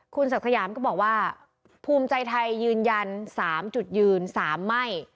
คุณศักดิ์สยามก็บอกว่าภูมิใจไทยยืนยัน๓จุดยืน๓ไม่